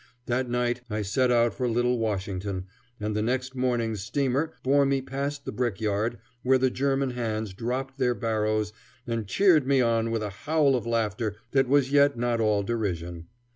That night I set out for Little Washington, and the next morning's steamer bore me past the brick yard, where the German hands dropped their barrows and cheered me on with a howl of laughter that was yet not all derision.